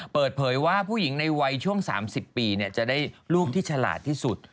ผู้หญิงในวัยช่วง๓๐ปีเนี่ยจะได้ลูกที่ฉลาดที่สุด